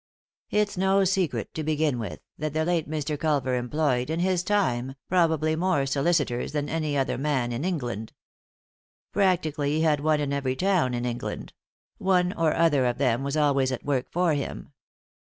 It's no secret, to begin with, that the late Mr. 41 / 3i 9 iii^d by Google THE INTERRUPTED KISS Culver employed, in his time, probably more solicitors than any other man in England Practically he had one in every town in England; one or other of them was always at work for him.